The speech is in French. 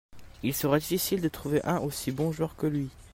Il sera difficile de trouver un aussi bon joueur que lui.